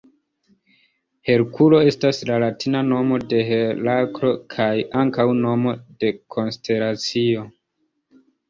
Herkulo estas la latina nomo de Heraklo kaj ankaŭ nomo de konstelacio.